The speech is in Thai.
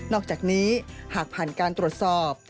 อกจากนี้หากผ่านการตรวจสอบ